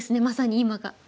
まさに今が。